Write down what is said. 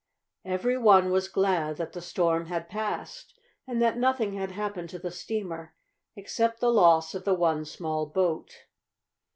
Every one was glad that the storm had passed, and that nothing had happened to the steamer, except the loss of the one small boat.